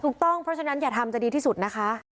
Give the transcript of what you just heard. เพราะฉะนั้นอย่าทำจะดีที่สุดนะคะ